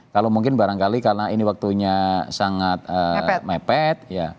kalau mungkin barangkali karena ini waktunya sangat mepet